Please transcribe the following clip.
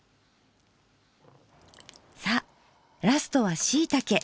さあラストはしいたけ。